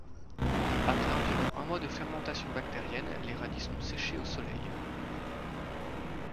Après environ un mois de fermentation bactérienne, les radis sont séchés au soleil.